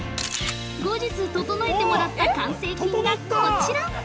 後日、整えてもらった完成品がこちら。